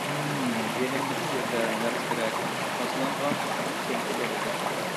يېنىمدىكى يەردە نەرسە-كېرەك قاچىلانغان ئۈچ سومكا بار ئىدى.